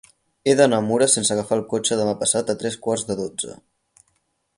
He d'anar a Mura sense agafar el cotxe demà passat a tres quarts de dotze.